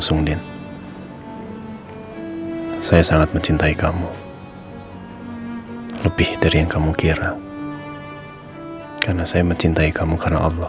sungdin saya sangat mencintai kamu lebih dari yang kamu kira karena saya mencintai kamu karena allah